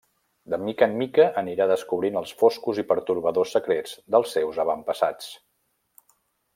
De mica en mica, anirà descobrint els foscos i pertorbadors secrets dels seus avantpassats.